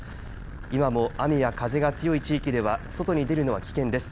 今も雨や風が強い地域では外に出るのは危険です。